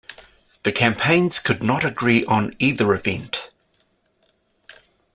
The campaigns could not agree on either event.